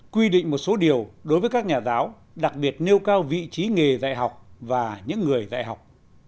quy định một số điều đối với các nhà giáo đặc biệt nêu cao vị trí nghề dạy học và những người dạy học